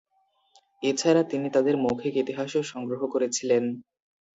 এছাড়া, তিনি তাদের মৌখিক ইতিহাসও সংগ্রহ করেছিলেন।